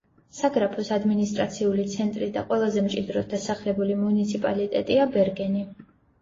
საგრაფოს ადმინისტრაციული ცენტრი და ყველაზე მჭიდროდ დასახლებული მუნიციპალიტეტია ბერგენი.